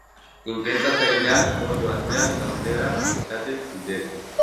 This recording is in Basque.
Inkestatzaileak oso atzean geundela esaten zuten.